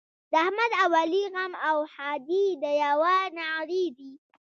د احمد او علي غم او ښادي د یوه نغري دي.